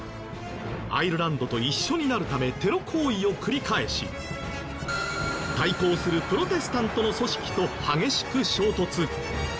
アイルランドと一緒になるためテロ行為を繰り返し対抗するプロテスタントの組織と激しく衝突。